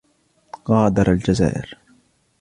غادر الجزائر